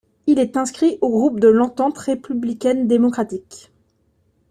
Il est inscrit au groupe de l'Entente républicaine démocratique.